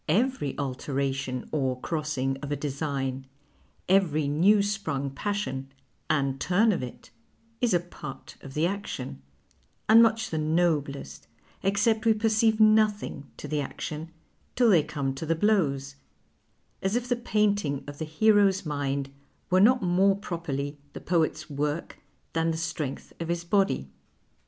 " Every alteration or crossing of a design, every new sprung passion, and turn of it, is a part of the action, and nuich the noblest, excej)t we perceive nothing to be action, till they come to blows ; as if the painting of the hero's mind were not more proi)erly the poet's work than the strength of his body."